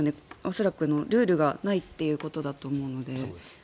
恐らくルールがないということだと思うので。